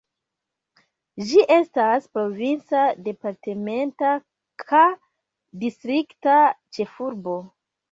Ĝi estas provinca, departementa ka distrikta ĉefurbo.